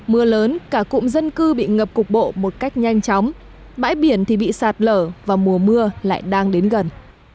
mưa lớn cả cụm dân cư bị ngập cục bộ một cách nhanh chóng bãi biển thì bị sạt lở và mùa mưa lại đang đến gần